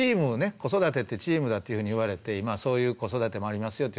子育てってチームだというふうにいわれて今そういう子育てもありますよって言われてるけど。